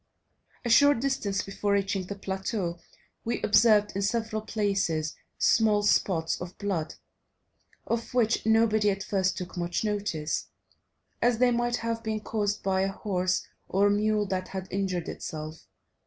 A short distance before reaching the plateau, we observed, in several places, small spots of blood, of which nobody at first took much notice, as they might have been caused by a horse or mule that had injured itself.